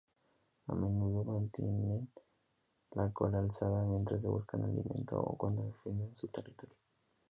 A menudo mantienen la cola alzada mientras buscan alimento o cuando defienden su territorio.